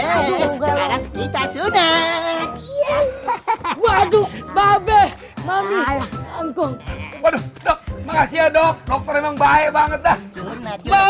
sekarang kita sudah iya waduh mbak mbak mbak memang baik banget lah